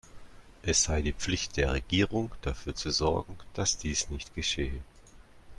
Es sei die Pflicht der Regierung, dafür zu sorgen, dass dies nicht geschehe.